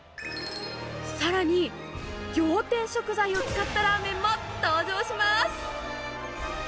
さらに、仰天食材を使ったラーメンも登場します。